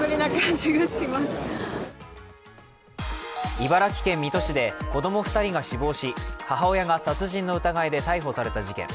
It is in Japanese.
茨城県水戸市で子供２人が死亡し母親が殺人の疑いで逮捕された事件。